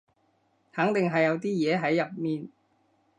肯定係有啲嘢喺入面